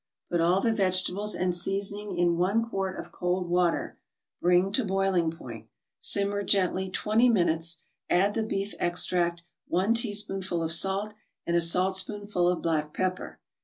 Put all the vegetables and seasoning in one quart of cold water, bring to boiling point, simmer gently twenty minutes, add the beef extract, one teaspoonful of salt and a saltspoonful of black pepper.